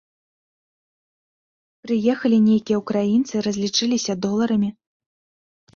Прыехалі нейкія ўкраінцы, разлічыліся доларамі.